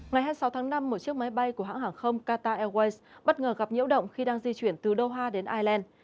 ngày hai mươi sáu tháng năm một chiếc máy bay của hãng hàng không qatar airways bất ngờ gặp nhiễu động khi đang di chuyển từ doha đến ireland